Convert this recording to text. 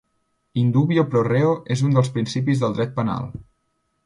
In dubio pro reo és un dels principis del Dret Penal.